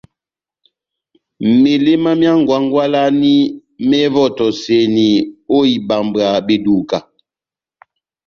Meléma myá ngwangwalani méwɔtɔseni o ibambwa beduka.